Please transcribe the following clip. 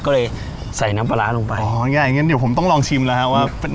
ก็เลยใส่น้ำปลาร้าลงไปอ๋อง่ายง่ายอย่างเงี้ยเดี๋ยวผมต้องลองชิมแล้วฮะว่า